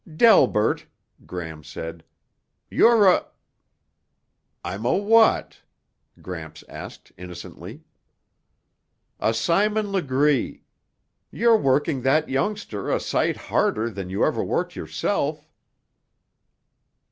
"Delbert," Gram said, "you're a ..." "I'm a what?" Gramps asked innocently. "A Simon Legree. You're working that youngster a sight harder than you ever worked yourself."